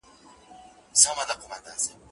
له رقیبه مي خنزیر جوړ کړ ته نه وې